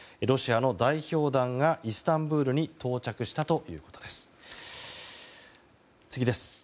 ロシアの代表団がイスタンブールに到着したということです。